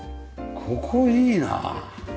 ここいいな。